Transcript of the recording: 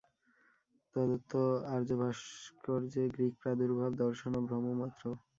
তদ্বৎ আর্যভাস্কর্যে গ্রীক প্রাদুর্ভাব-দর্শনও ভ্রম মাত্র।